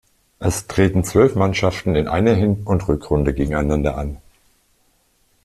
Es treten zwölf Mannschaften in einer Hin- und Rückrunde gegeneinander an.